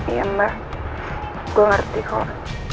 iya mbak gue ngerti kok